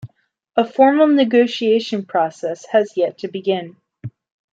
A formal negotiation process has yet to begin.